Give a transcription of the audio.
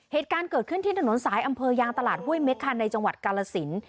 เหตุการณ์เกิดขึ้นที่ถนนสายอำเภอยางตลาดห้วยเม็กคันในจังหวัดกาลสิน